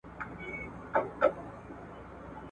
هغه په تېر وخت کي د خپل کار لپاره خطر ومانه.